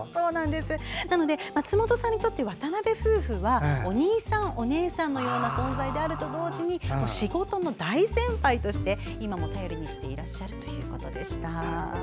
なので、松本さんにとって渡辺夫婦はお兄さん、お姉さんのような存在であると同時に仕事の大先輩として今も頼りにしていらっしゃるということでした。